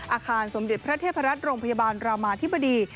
อาคารสมเด็จพระเทพรัฐโรงพยาบาลรามาธิบดี